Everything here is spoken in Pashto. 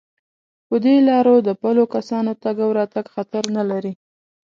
په دې لارو د پلو کسانو تگ او راتگ خطر نه لري.